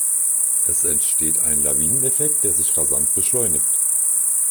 Es entsteht ein Lawinen-Effekt, der sich rasant beschleunigt.